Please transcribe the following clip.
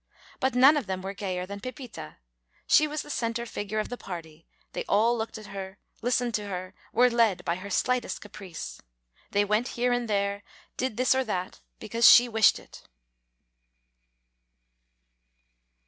But none of them were gayer than Pepita. She was the centre figure of the party; they all looked at her, listened to her, were led by her slightest caprice. They went here and there, did this or that, because she wished it.